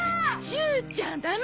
しゅうちゃんダメ！